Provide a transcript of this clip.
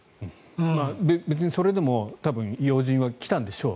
別にそれでも要人は来たんでしょう。